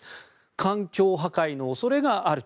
環境破壊の恐れがある。